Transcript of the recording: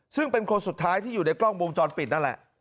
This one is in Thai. ซึ่งเป็นคนสุดท้ายที่อยู่ในกล้องวงจรปิดนั่นแหละ